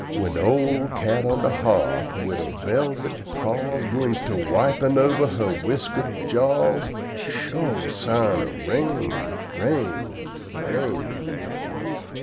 "When da ole cat on da hearth wid her velvet paws 'Gins to wipin' over her whiskered jaws, Sho' sign o' rain, rain, rain!